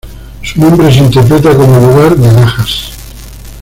Su nombre se interpreta como: ""Lugar de Lajas"".